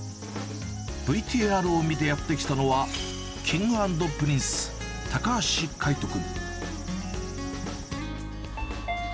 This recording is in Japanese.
ＶＴＲを見てやって来たのは、Ｋｉｎｇ＆Ｐｒｉｎｃｅ・高橋海人君。